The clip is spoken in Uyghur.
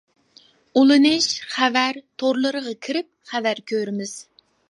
ئۇلىنىش، خەۋەر. تورلىرىغا كىرىپ خەۋەر كۆرىمىز.